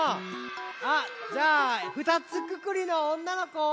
あっじゃあ２つくくりのおんなのこ。